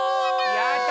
やった！